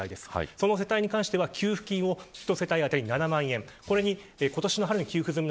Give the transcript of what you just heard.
その世帯に関しては給付金を１世帯当たり７万円